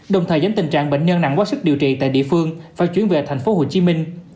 đồng thời giám tình trạng bệnh nhân nặng quá sức điều trị tại địa phương phải chuyển về thành phố hồ chí minh